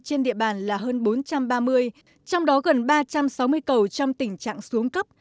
trên địa bàn là hơn bốn trăm ba mươi trong đó gần ba trăm sáu mươi cầu trong tình trạng xuống cấp